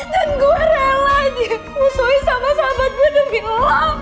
dan gue rela aja musuhin sama sahabat gue demi lo